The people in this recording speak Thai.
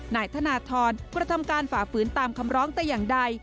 นายธนทรกระทำการฝ่าฝืนตามคำร้องแต่อย่างใด